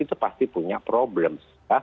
itu pasti punya problem